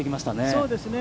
そうですね。